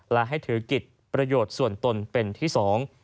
และให้ถือกิจประโยชน์ส่วนตนเป็นที่สอง